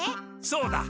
そうだ。